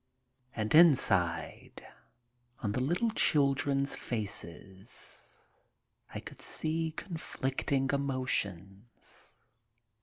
And inside, on the little children's faces, I could see con flicting emotions.